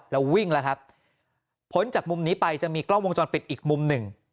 แล้ววิ่งละครับผลจากมุมนี้ไปจะมีกล้องวงจรเปลี่ยนอีกมุมหนึ่ง